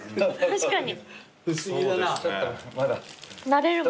確かに。